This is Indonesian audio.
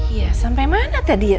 iya sampai mana tadi ya